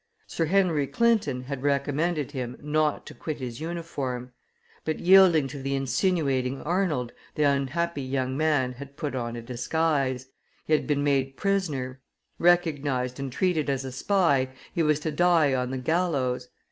Sir Henry Clinton had recommended him not to quit his uniform; but, yielding to the insinuating Arnold, the unhappy young man had put on a disguise; he had been made prisoner. Recognized and treated as a spy, he was to die on the gallows.